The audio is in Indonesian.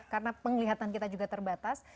karena penglihatan kita juga terbatas